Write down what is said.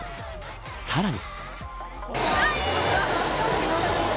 さらに。